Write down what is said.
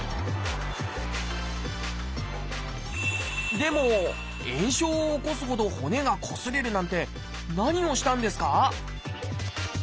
でも炎症を起こすほど骨がこすれるなんて何をしたんですか？